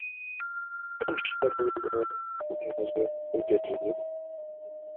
Anect ara yili deg teɣzi urgaz-nni?